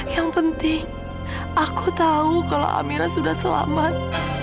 yang penting aku tahu kalau amira sudah selamat